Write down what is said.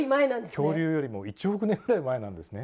恐竜よりも１億年ぐらい前なんですね。